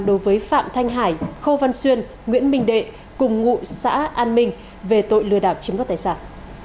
đối với phạm thanh hải khâu văn xuyên nguyễn minh đệ cùng ngụ xã an minh về tội lừa đảo chiếm đoạt tài sản